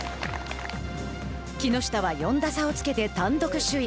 木下は４打差をつけて単独首位。